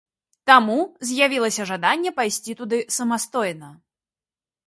Таму з'явілася жаданне пайсці туды самастойна.